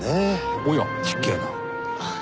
おや失敬な。